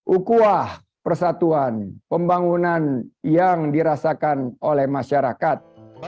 ukuah persatuan pembangunan yang dirasakan oleh masyarakat